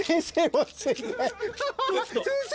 先生